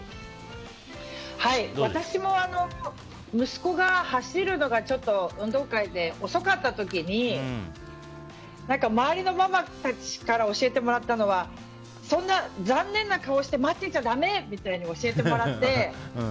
私も息子が走るのがちょっと運動会で遅かった時に周りのママたちから教えてもらったのはそんな残念な顔して待ってちゃだめ！って教えてもらって。